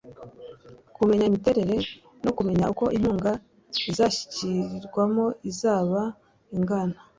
kumenya imiterere no kumenya uko inkunga izagishyirwamo izaba ingana